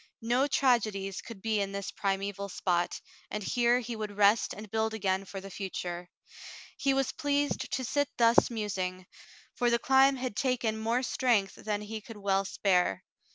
No tragedies could be in this primeval spot, and here he would rest and build again for the future. He was pleased to sit thus musing, for the climb had taken more strength than he could well spare.